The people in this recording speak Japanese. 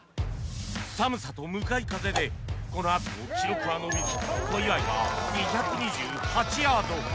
寒さと向かい風でこのあとも記録は伸びず小祝は２２８ヤード